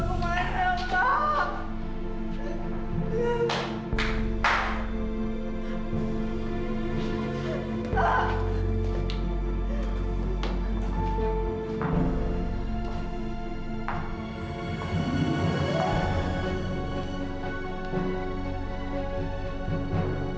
jangan dibawa ke mana pak